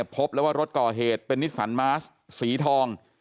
พบแล้วว่ารถก่อเหตุเป็นนิสสันมาสสีทอง